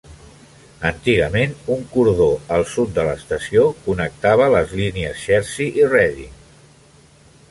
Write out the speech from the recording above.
Antigament un cordó al sud de l'estació connectava les línies Chertsey i Reading.